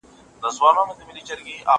زه اوږده وخت سندري اورم وم!